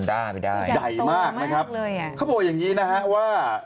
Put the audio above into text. จะใหญ่มากนะครับเขาบอกอย่างนี้นะครับว่า